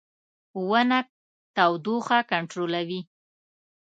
• ونه تودوخه کنټرولوي.